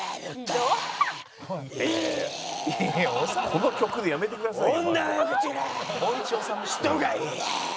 「この曲でやめてくださいよ」